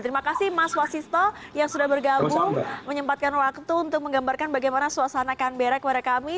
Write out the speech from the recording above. terima kasih mas wasisto yang sudah bergabung menyempatkan waktu untuk menggambarkan bagaimana suasana canbera kepada kami